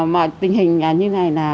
mà tình hình như này là